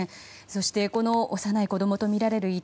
そしてこの幼い子供とみられる遺